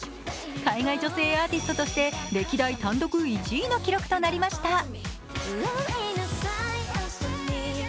海外女性アーティストとして歴代単独１位の記録となりました。